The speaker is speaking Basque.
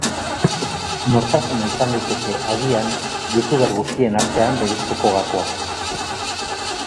Nortasuna izan daiteke, agian, youtuber guztien artean bereizteko gakoa.